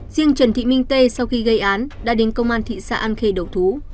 riêng trần thị minh tê sau khi gây án đã đến công an thị xã an khê đầu thú